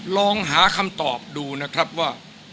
ลองหาคำตอบดูนะครับว่า